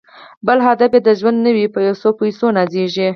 بل هدف یې د ژوند نه وي په یو څو پیسو نازیږي